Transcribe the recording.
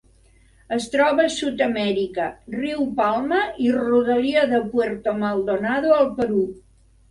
Es troba a Sud-amèrica: riu Palma i rodalia de Puerto Maldonado al Perú.